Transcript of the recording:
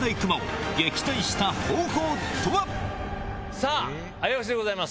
さぁ早押しでございます。